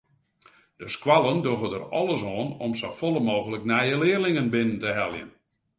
De skoallen dogge der alles oan om safolle mooglik nije learlingen binnen te heljen.